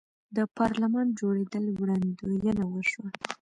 د پارلمان جوړیدل وړاندوینه وشوه.